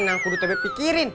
nang kudu tebe pikirin